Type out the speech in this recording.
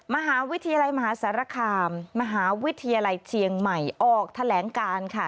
มหาวิทยาลัยมหาสารคามมหาวิทยาลัยเชียงใหม่ออกแถลงการค่ะ